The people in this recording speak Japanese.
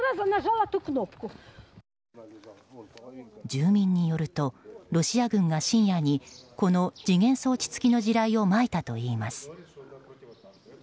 住民によると、ロシア軍が深夜にこの時限装置付きの地雷をまいたといいます。